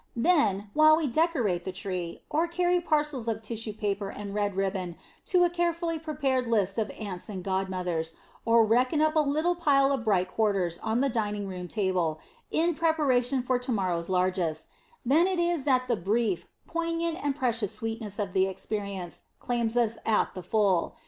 Then, while we decorate the tree or carry parcels of tissue paper and red ribbon to a carefully prepared list of aunts and godmothers, or reckon up a little pile of bright quarters on the dining room table in preparation for to morrow's largesse then it is that the brief, poignant and precious sweetness of the experience claims us at the full.